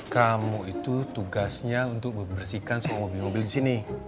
kamu itu tugasnya untuk membersihkan semua mobil mobil disini